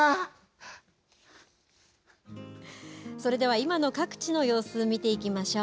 それでは今の各地の様子、見ていきましょう。